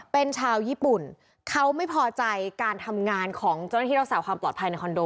เป็นชาวญี่ปุ่นเขาไม่พอใจการทำงานของเจ้าหน้าที่รักษาความปลอดภัยในคอนโด